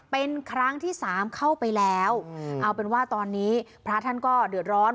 เป็นครั้งที่สามเข้าไปแล้วเอาเป็นว่าตอนนี้พระท่านก็เดือดร้อน